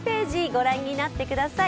ご覧になってください。